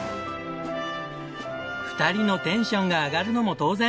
２人のテンションが上がるのも当然！